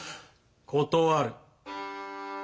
断る。